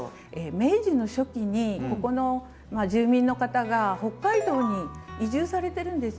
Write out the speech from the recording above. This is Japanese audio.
明治の初期にここの住民の方が北海道に移住されてるんですね。